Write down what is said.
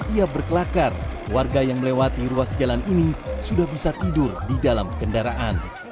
ia berkelakar warga yang melewati ruas jalan ini sudah bisa tidur di dalam kendaraan